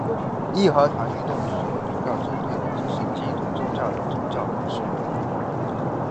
义和团运动所主要针对的即是基督宗教的宗教人士。